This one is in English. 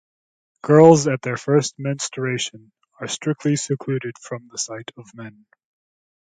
Girls at their first menstruation are strictly secluded from the sight of men.